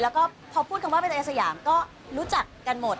แล้วก็พอพูดคำว่าเป็นอาสยามก็รู้จักกันหมด